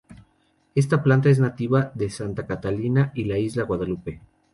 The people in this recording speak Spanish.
Esta planta es nativa de Santa Catalina y la Isla Guadalupe.